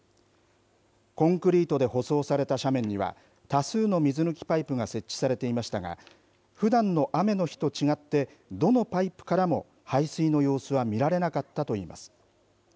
コンクリートで舗装された斜面には多数の水抜きパイプが設置されていましたがふだんの雨の日と違ってどのパイプからも排水の様子は見られなかったと言います。